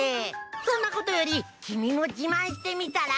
そんなことより君も自慢してみたら？